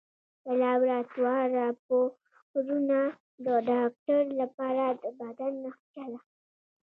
د لابراتوار راپورونه د ډاکټر لپاره د بدن نقشه ده.